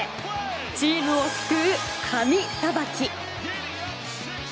チームを救う神さばき。